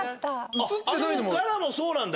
あのガラもそうなんだ。